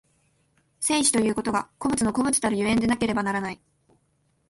生死ということが個物の個物たる所以でなければならない。